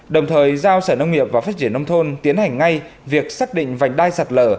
đồng thời giao sở nông nghiệp và phát triển nông thôn tiến hành ngay việc xác định vành đai sạt lở